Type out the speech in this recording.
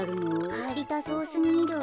はいりたそうすぎる。